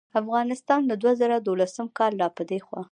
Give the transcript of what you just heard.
افغانستان له دوه زره دولسم کال راپه دې خوا